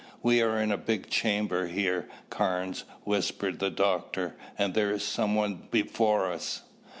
"We are in a big chamber here, Carnes," whispered the doctor, "and there is someone before us.